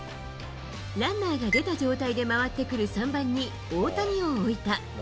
ランナーが出た状態で回ってくる３番に大谷を置いた。